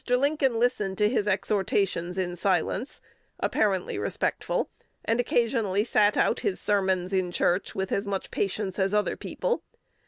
Lincoln listened to his exhortations in silence, apparently respectful, and occasionally sat out his sermons in church with as much patience as other people.